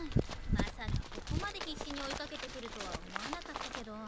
まさかここまで必死に追いかけてくるとは思わなかったけど。